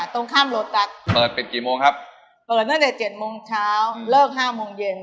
ตรงข้ามโลตัสเปิดปิดกี่โมงครับเปิดตั้งแต่เจ็ดโมงเช้าเลิกห้าโมงเย็น